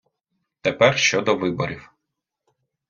Тепер щодо виборів.